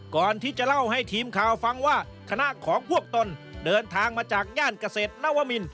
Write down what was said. ก่อนที่จะเล่าให้ทีมข่าวฟังว่าคณะของพวกตนเดินทางมาจากย่านเกษตรนวมิน